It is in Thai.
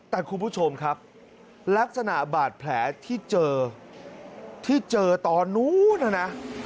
แต่คุณผู้ชมครับลักษณะบาดแผลที่เจอที่เจอตอนนู้นนะนะ